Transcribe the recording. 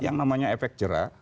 yang namanya efek jerah